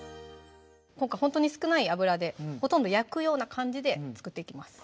今回ほんとに少ない油でほとんど焼くような感じで作っていきます